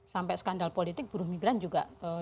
sampai skandal politik buru migran juga dimanfaatkan gitu